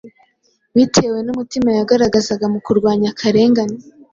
bitewe n’umutima yagaragaza mu kurwanya akarengane,